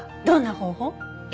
どんな方法？